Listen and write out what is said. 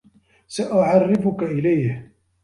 سأعرّفك إليه.